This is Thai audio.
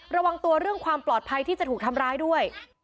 ระวังตัวเรื่องความปลอดภัยที่จะถูกทำร้ายด้วย